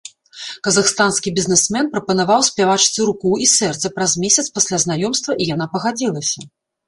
Казахстанскі бізнэсмен прапанаваў спявачцы руку і сэрца праз месяц пасля знаёмства і яна пагадзілася.